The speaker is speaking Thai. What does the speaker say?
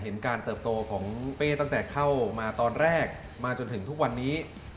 การเติบโตของเป้ตั้งแต่เข้ามาตอนแรกมาจนถึงทุกวันนี้